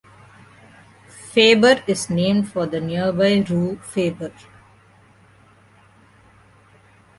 Fabre is named for the nearby rue Fabre.